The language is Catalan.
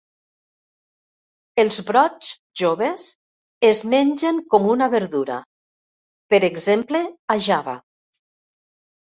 Els brots joves es mengen com una verdura, per exemple a Java.